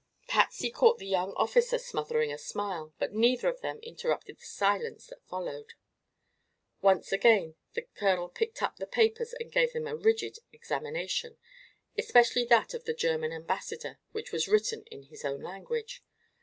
Patsy caught the young officer smothering a smile, but neither of them interrupted the silence that followed. Once again the colonel picked up the papers and gave them a rigid examination, especially that of the German ambassador, which was written in his own language.